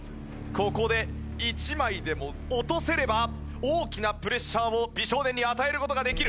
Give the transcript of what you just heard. ここで１枚でも落とせれば大きなプレッシャーを美少年に与える事ができる。